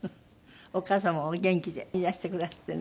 お母様もお元気でいらしてくだすってね。